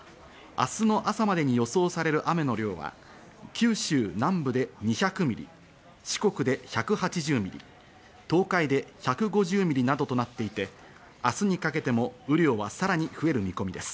明日の朝までに予想される雨の量は九州南部で２００ミリ、四国で１８０ミリ、東海で１５０ミリなどとなっていて、明日にかけても雨量はさらに増える見込みです。